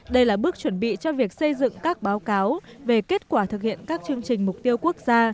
đây là bước chuẩn bị cho việc xây dựng các báo cáo về kết quả thực hiện các chương trình mục tiêu quốc gia